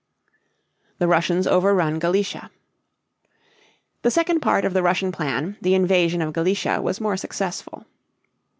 THE RUSSIANS OVERRUN GALICIA. The second part of the Russian plan, the invasion of Galicia, was more successful.